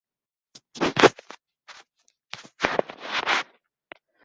Diversos autores critican su obra por el abuso del verso y el estilo pretencioso.